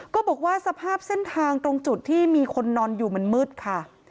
บอกว่าสภาพเส้นทางตรงจุดที่มีคนนอนอยู่มันมืดค่ะ